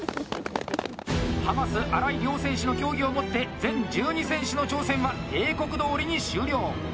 浜洲、荒井両選手の競技をもって全１２選手の挑戦は定刻どおりに終了。